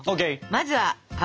まずは油。